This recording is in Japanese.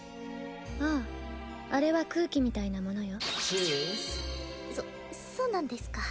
あああれは空気みたいなものよチッスそそうなんですか